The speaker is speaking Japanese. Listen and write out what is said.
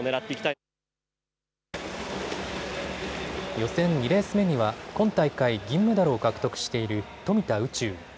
予選２レース目には今大会銀メダルを獲得している富田宇宙。